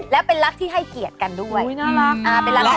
เข้เป็นรักที่ให้เกียจกันด้วยอ่ะเป็นรักอ่า๑๙๗๖